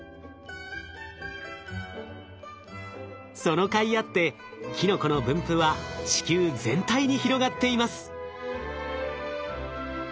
そのかいあってキノコの分布は地球全体に広がっています。